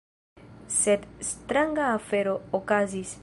Sed stranga afero okazis.